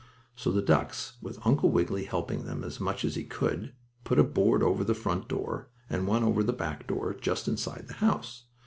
So the ducks, with Uncle Wiggily helping them as much as he could, put a board over the front door, and one over the back door, just inside the house.